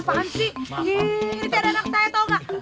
gila ini tidak ada anak saya tahu nggak